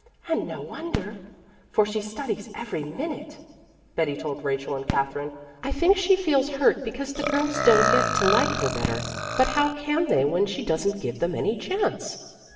"And no wonder, for she studies every minute," Betty told Rachel and Katherine. "I think she feels hurt because the girls don't get to like her better, but how can they when she doesn't give them any chance?"